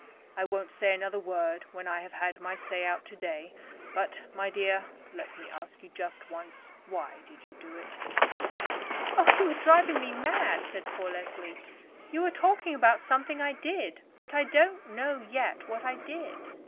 I won't say another word when I have had my say out today; but, my dear, let me ask you just once, why did you do it?" "Oh, you are driving me mad," said poor Leslie. "You are talking about something I did; but I don't know yet what I did.